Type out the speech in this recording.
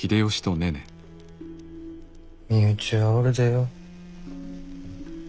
身内はおるでよ。